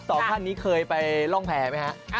๒ท่านนี้เคยไปล่องแผลไหมครับ